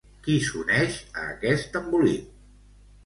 Qui s'uneix a aquest embolic?